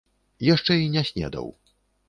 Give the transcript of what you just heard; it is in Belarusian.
Яшчэ й не снедаў.